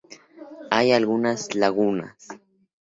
Hay algunas lagunas.